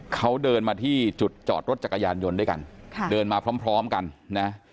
เขาเดินมาที่จอดรถจักรยานยนต์ด้วยกันเดินมาพร้อมกัน